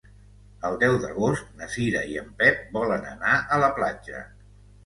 El deu d'agost na Cira i en Pep volen anar a la platja.